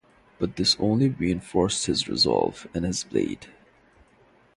But this only reinforced his resolve and his blade.